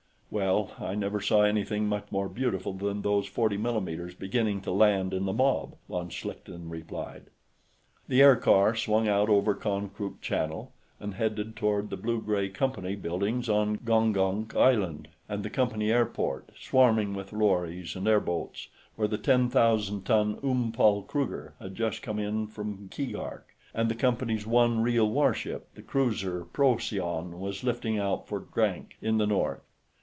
"Well, I never saw anything much more beautiful than those 40 mm's beginning to land in the mob," von Schlichten replied. The aircar swung out over Konkrook Channel and headed toward the blue gray Company buildings on Gongonk Island, and the Company airport, swarming with lorries and airboats, where the ten thousand ton Oom Paul Kruger had just come in from Keegark, and the Company's one real warship, the cruiser Procyon, was lifting out for Grank, in the North.